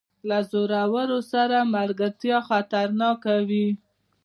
له زورور سره ملګرتیا خطرناکه وي.